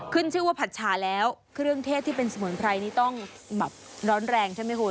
ขึ้นชื่อว่าผัดฉาแล้วเครื่องเทศที่เป็นสมุนไพรนี่ต้องแบบร้อนแรงใช่ไหมคุณ